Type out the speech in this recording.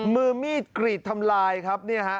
มือมีดกรีดทำลายครับ